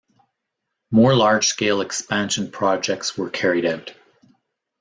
More large-scale expansion projects were carried out.